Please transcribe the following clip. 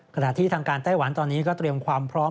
ขณะที่ทางการไต้หวันตอนนี้ก็เตรียมความพร้อม